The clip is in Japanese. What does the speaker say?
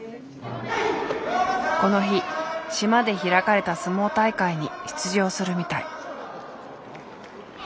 この日島で開かれた相撲大会に出場するみたい。